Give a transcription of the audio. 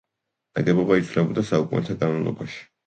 ნაგებობა იცვლებოდა საუკუნეთა განმავლობაში.